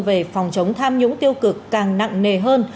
về phòng chống tham nhũng tiêu cực càng nặng nề hơn